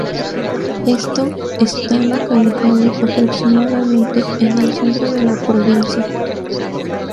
Esto está localizado aproximadamente en el centro de la provincia.